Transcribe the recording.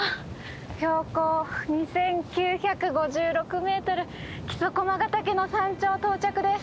標高２，９５６ｍ木曽駒ヶ岳の山頂到着です。